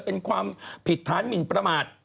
เป็นความผิดฐานหมินประมาท